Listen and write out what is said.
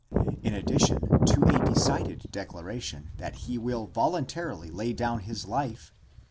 In addition to a decided declaration that he will voluntarily lay down his life (x.